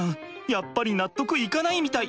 やっぱり納得いかないみたい。